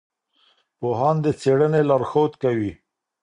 پوهان د څېړنې لارښود کوي.